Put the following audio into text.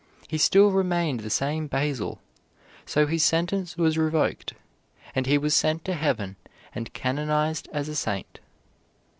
He still remained the same Basle. So his sentence was revoked, and he was sent to Heaven and canonized as a saint.